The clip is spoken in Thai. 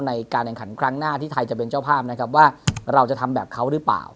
ในการแข่งขันครั้งหน้าที่ไทยจะเป็นเจ้าภาพนะครับว่าเราจะทำแบบเขาหรือเปล่า